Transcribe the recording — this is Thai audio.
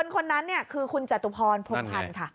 คนนั้นเนี่ยคือคุณจตุพรพรมพันธุ์ค่ะนั่นไง